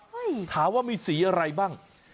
ถามว่ามีสีอะไรบ้าง